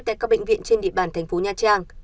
tại các bệnh viện trên địa bàn tp nha trang